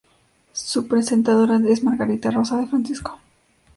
Su presentadora es Margarita Rosa de Francisco.